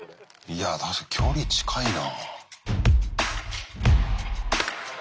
いや確かに距離近いな。